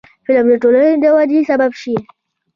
فلم باید د ټولنې د ودې سبب شي